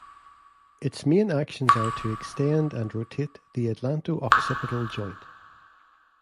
Its main actions are to extend and rotate the atlanto-occipital joint.